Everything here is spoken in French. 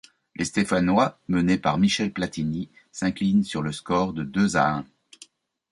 Les Stéphanois menés par Michel Platini s'inclinent sur le score de deux à un.